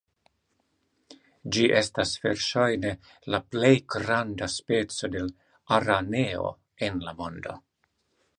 Ĝi estas verŝajne la plej granda speco de araneo en la mondo.